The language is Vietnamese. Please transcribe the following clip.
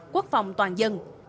quốc phòng toàn dân